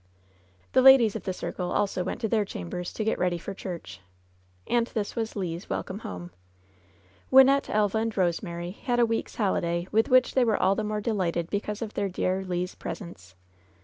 The ladies of the circle also went to their chambers to get ready for church. And this was Le's welcome home. Wynnette, Elva and Eosemary had a week's holiday with which they were all the more delighted because of their dear Le's presence.